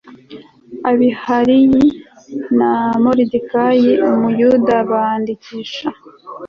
Abihayili na Moridekayi Umuyuda bandikisha